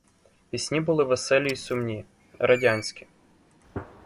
Пісні були веселі й сумні — радянські.